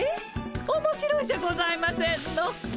おもしろいじゃございませんの。